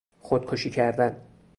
خودکشی کردن